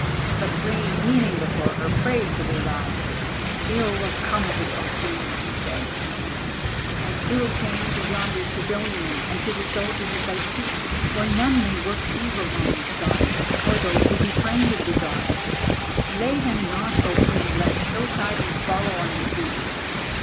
But Rei, kneeling before her, prayed for their lives: "Ill will come of it, O Queen!" he said, "as ill came to yonder Sidonian and to the soldier at thy feet, for none may work evil on this Goddess, or those who befriended the Goddess. Slay them not, O Queen, lest ill tidings follow on the deed!"